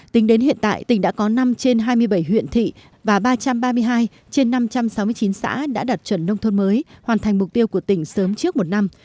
tính đến hiện tại tỉnh đã có năm trên hai mươi bảy huyện thị và ba trăm ba mươi hai trên năm trăm sáu mươi chín xã đã đạt chuẩn nông thôn mới hoàn thành mục tiêu của tỉnh sớm trước một năm